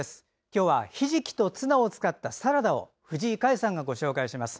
今日はひじきとツナを使ったサラダを藤井香江さんがご紹介します。